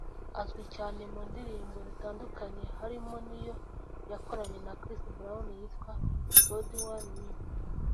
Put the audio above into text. Azwi cyane mu ndirimbo zitandukanye harimo n’iyo yakoranye na Chris Brown yitwa “Body On Me”